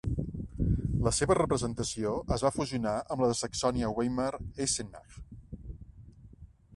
La seva representació es va fusionar amb la de Saxònia-Weimar-Eisenach.